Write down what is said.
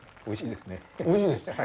おいしいです。